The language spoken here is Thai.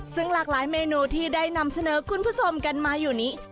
ซึ่งหลากหลายเมนูที่ได้นำเสนอคุณผู้ชมกันมาอยู่นี้